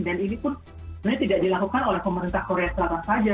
dan ini sebenarnya tidak dilakukan oleh pemerintah korea selatan saja